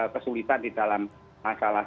kesulitan di dalam masalah